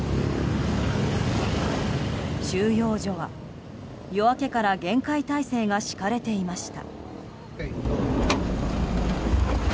収容所は夜明けから厳戒態勢が敷かれていました。